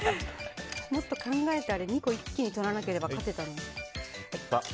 もっと考えて２個一気に取らなければ勝てたのに。